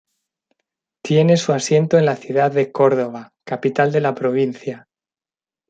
Tiene su asiento en la Ciudad de Córdoba, capital de la provincia.